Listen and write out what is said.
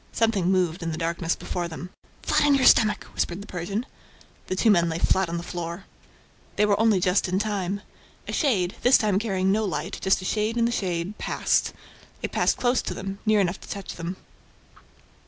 Something moved in the darkness before them. "Flat on your stomach!" whispered the Persian. The two men lay flat on the floor. They were only just in time. A shade, this time carrying no light, just a shade in the shade, passed. It passed close to them, near enough to touch them.